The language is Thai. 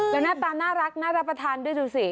แล้วหน้าตาน่ารักน่ารับประทานด้วยดูสิ